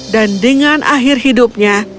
dan dengan akhir hidupnya